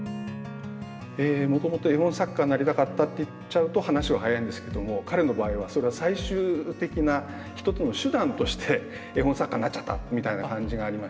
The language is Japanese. もともと絵本作家になりたかったって言っちゃうと話は早いんですけども彼の場合は最終的な一つの手段として絵本作家になっちゃったみたいな感じがありまして。